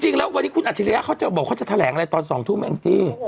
จริงแล้ววันนี้คุณอัจฉริยะเขาจะบอกเขาจะแถลงอะไรตอน๒ทุ่มแองจี้